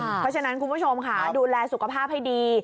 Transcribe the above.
เพราะฉะนั้นคุณผู้ชมค่ะดูแลสุขภาพให้ดี